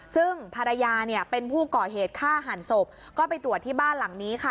ซึ่งภรรยาเนี่ยเป็นผู้ก่อเหตุฆ่าหันศพก็ไปตรวจที่บ้านหลังนี้ค่ะ